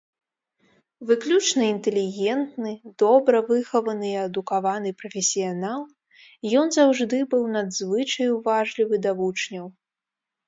Выключна інтэлігентны, добра выхаваны і адукаваны прафесіянал, ён заўжды быў надзвычай уважлівы да вучняў.